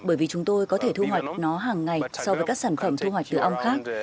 bởi vì chúng tôi có thể thu hoạch nó hàng ngày so với các sản phẩm thu hoạch từ ong khác